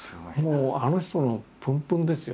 もうあの人のプンプンですよ